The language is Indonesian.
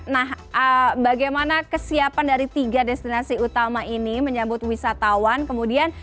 nah bagaimana kesiapan dari tiga destinasi utama ini menyambut wisatawan kemudian